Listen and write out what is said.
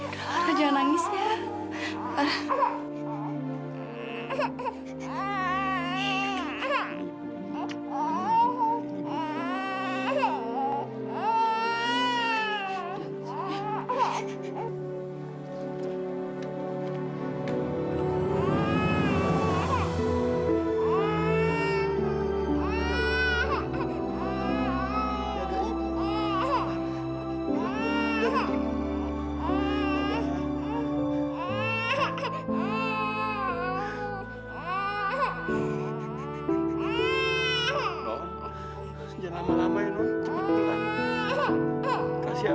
lara jangan nangis ya